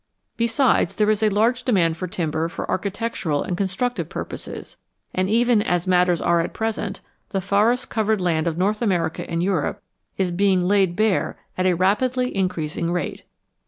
Besides, there is a large demand for timber for architectural and constructive purposes, and even as matters are at present, the forest covered land of North America and Europe is being laid bare at a rapidly increasing rate.